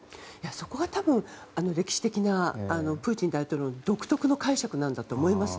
そこは多分歴史的なプーチン大統領の独特の解釈だと思うんです。